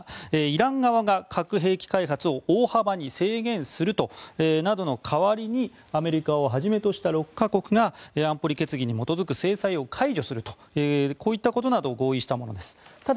イラン側が核兵器開発を大幅に制限するなどの代わりにアメリカをはじめとした６か国が安保理決議に基づく制裁を解除するということなどを合意したものです。